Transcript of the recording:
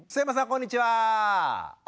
こんにちは。